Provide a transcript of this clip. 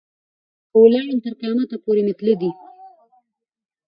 او که ولاړم تر قیامت پوري مي تله دي.